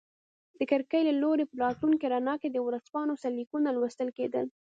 د کړکۍ له لوري په راتلونکي رڼا کې د ورځپاڼو سرلیکونه لوستل کیدل.